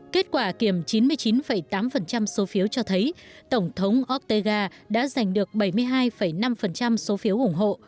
kết quả kiểm chín mươi chín tám số phiếu cho thấy tổng thống ottega đã giành được bảy mươi hai năm số phiếu ủng hộ